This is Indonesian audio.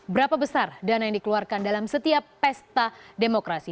berapa besar dana yang dikeluarkan dalam setiap pesta demokrasi